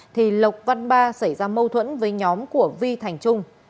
thì lộc văn ba xảy ra mâu thuẫn với nhóm của vi thành trung